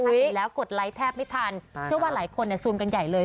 เห็นแล้วกดไลค์แทบไม่ทันเชื่อว่าหลายคนซูมกันใหญ่เลย